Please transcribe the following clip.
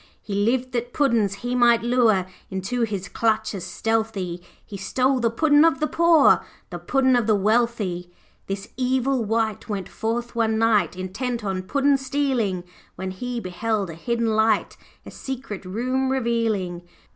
'He lived that Puddin's he might lure, Into his clutches stealthy; He stole the Puddin' of the poor, The Puddin' of the wealthy. 'This evil wight went forth one night Intent on puddin' stealing, When he beheld a hidden light A secret room revealing.